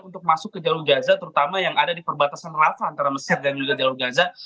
untuk masuk ke jalur gaza terutama yang ada di perbatasan lava antara mesir dan juga jalur gaza